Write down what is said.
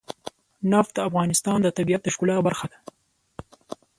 نفت د افغانستان د طبیعت د ښکلا برخه ده.